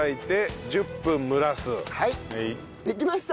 できました。